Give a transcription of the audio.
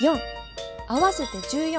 合わせて１４。